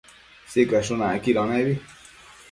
Sicashun acquido nebi